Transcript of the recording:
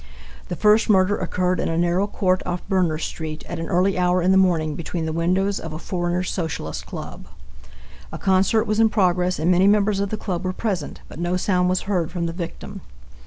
The first murder occured in a narrow court off Berners street at an early hour in the morning beneath the windows of a foreigners' Socialist club. A concert was in progress and many members of the club were present, but no sound was heard from the victim.